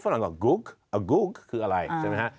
เพราะฉะนั้นก็กุ๊กคืออะไรใช่ไหมฮะ